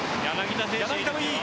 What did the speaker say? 柳田もいい。